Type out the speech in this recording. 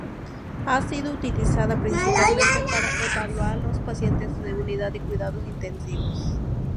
Ha sido utilizada principalmente para evaluar los pacientes e unidad de cuidados intensivos.